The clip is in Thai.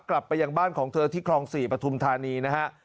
กลับไปยังบ้านของเธอที่คลอง๔ปฐุมธานีนะฮะ